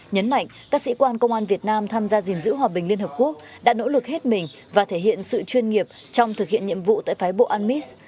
nhấn mạnh các sĩ quan công an việt nam tham gia dình dữ hòa bình liên hợp quốc đã nỗ lực hết mình và thể hiện sự chuyên nghiệp trong thực hiện nhiệm vụ tại phái bộ an mis